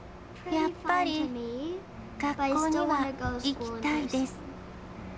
やっぱり学校には行きたいです。